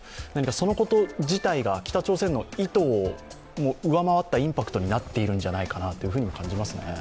そのこと自体が北朝鮮の意図を上回ったインパクトになっているんじゃないかなと感じますね。